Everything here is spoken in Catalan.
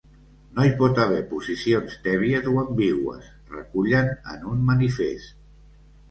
No hi pot haver posicions tèbies o ambigües, recullen en un manifest.